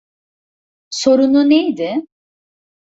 Sorunu neydi?